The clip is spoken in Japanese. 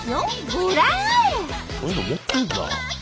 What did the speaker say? こういうの持ってるんだ。